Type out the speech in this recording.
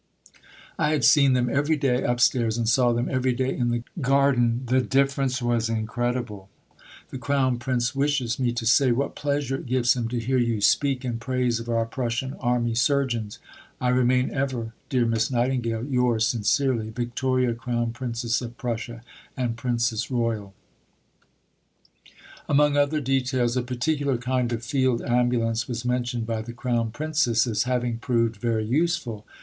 I had seen them every day upstairs and saw them every day in the garden; the difference was incredible.... The Crown Prince wishes me to say what pleasure it gives him to hear you speak in praise of our Prussian army surgeons.... I remain ever, dear Miss Nightingale, yours sincerely, PRINCESS ROYAL. Among other details, a particular kind of field ambulance was mentioned by the Crown Princess as having proved very useful.